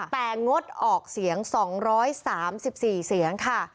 แต่งดออกเสียงสองร้อยสามสิบสี่เสียงค่ะ